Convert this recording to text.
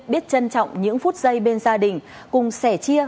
biết trân trọng những phút giây bên gia đình cùng sẻ chia